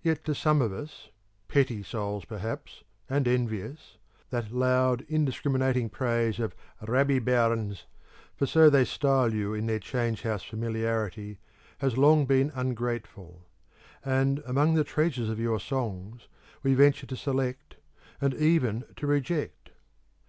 Yet to some of us petty souls, perhaps, and envious that loud indiscriminating praise of 'Robbie Burns' (for so they style you in their Change house familiarity) has long been ungrateful; and, among the treasures of your songs, we venture to select and even to reject.